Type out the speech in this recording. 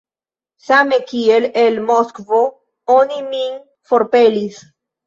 Same kiel el Moskvo oni min forpelis!